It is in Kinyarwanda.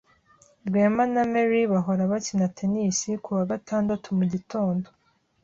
Rwema na Mary bahora bakina tennis kuwa gatandatu mugitondo.